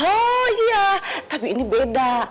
oh iya tapi ini beda